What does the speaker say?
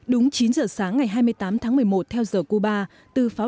đúng chín giờ sáng ngày hai mươi tám tháng một mươi một theo giờ cuba